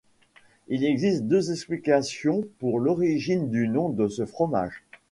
Il existe deux explications pour l'origine du nom de ce fromage.